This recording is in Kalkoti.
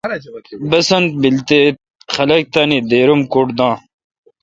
بسنت بیل تے خلق تانی دیر ام کُڈ دان۔